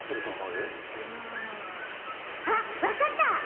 うん。あっわかった！